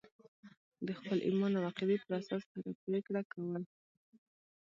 د خپل ایمان او عقیدې پر اساس هره پرېکړه کول.